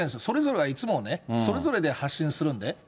それぞれがいつもね、それぞれで発信するんで。